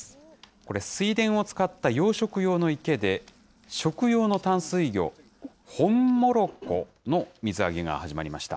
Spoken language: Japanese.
これ、水田を使った養殖用の池で、食用の淡水魚、ホンモロコの水揚げが始まりました。